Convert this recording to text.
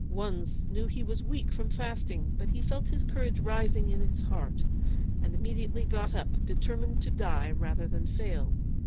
Wunzh knew he was weak from fasting, but he felt his courage rising in his heart, and immediately got up, determined to die rather than fail.